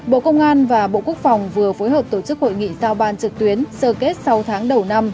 bộ công an và bộ quốc phòng vừa phối hợp tổ chức hội nghị giao ban trực tuyến sơ kết sáu tháng đầu năm